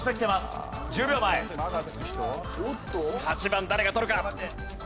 ８番誰が取るか？